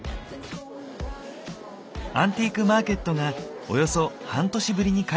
アンティークマーケットがおよそ半年ぶりに開催されていた。